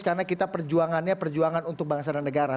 karena kita perjuangannya perjuangan untuk bangsa dan negara